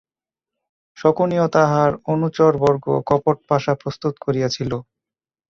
শকুনি ও তাহার অনুচরবর্গ কপট পাশা প্রস্তুত করিয়াছিল।